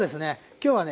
今日はね